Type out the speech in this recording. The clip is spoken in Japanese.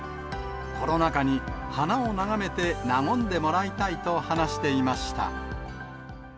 コロナ禍に花を眺めてなごんでもらいたいと話していました。